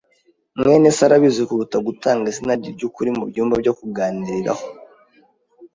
mwene se arabizi kuruta gutanga izina rye ryukuri mubyumba byo kuganiriraho.